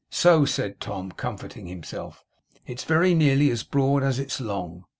'So,' said Tom, comforting himself, 'it's very nearly as broad as it's long.